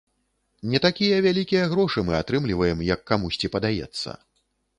Не такія вялікія грошы мы атрымліваем, як камусьці падаецца.